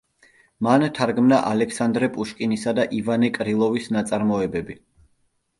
მან თარგმნა ალექსანდრე პუშკინისა და ივანე კრილოვის ნაწარმოებები.